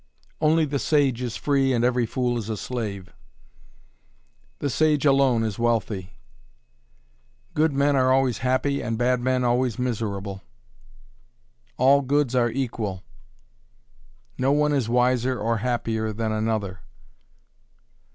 "Only the sage is free and every fool is a slave". "The sage alone is wealthy". "Good men are always happy and bad men always miserable". "All goods are equal". "No one is wiser or happier than another".